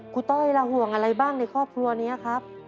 ต้อยละห่วงอะไรบ้างในครอบครัวนี้ครับ